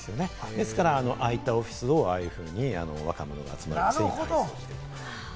ですから、ああいったオフィスをああいうふうに若者たちが集まるようにしている。